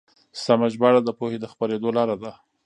سمه ژباړه د پوهې د خپرېدو لاره ده.